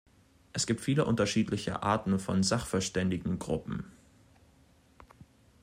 Es gibt viele unterschiedliche Arten von Sachverständigengruppen.